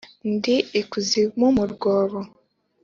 ndi ikuzimu mu rwobo;